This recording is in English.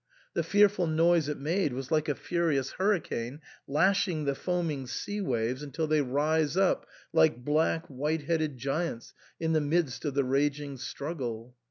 The fearful noise it made was like a furious hurricane lash ing the foaming sea waves until they rise up like black, white headed giants in the midst of the raging struggle.